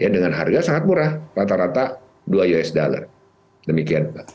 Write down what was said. dengan harga sangat murah rata rata dua usd demikian